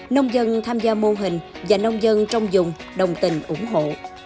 nông dân tham gia mô hình và nông dân trong dùng đồng tình ủng hộ